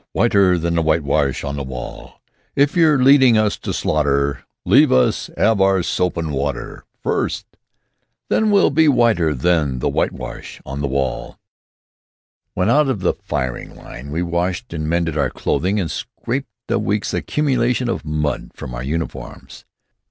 Whi ter than the whitewash on the wall! If yer leadin' us to slaughter Let us 'ave our soap an' water FIRST! Then we'll be whiter than the whitewash on the wall!" When out of the firing line we washed and mended our clothing and scraped a week's accumulation of mud from our uniforms.